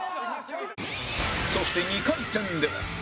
そして２回戦では